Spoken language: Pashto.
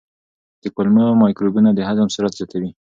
د کولمو مایکروبونه د هضم سرعت زیاتوي.